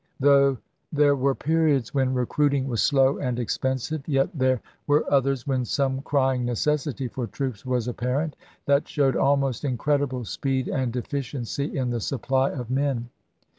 Though there were periods when recruiting was slow and expensive, yet there were others, when some crying necessity for troops was apparent, that showed almost incredible speed and efficiency in the supply of men.